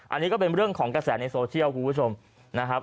อันนี้ก็เป็นเรื่องของกระแสในโซเชียลคุณผู้ชมนะครับ